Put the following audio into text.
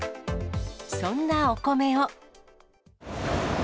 そんなお米を。